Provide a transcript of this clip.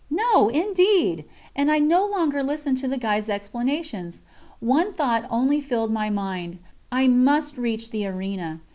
No, indeed! And I no longer listened to the guide's explanations: one thought only filled my mind I must reach the arena.